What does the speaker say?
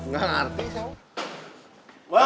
nggak ngerti kamu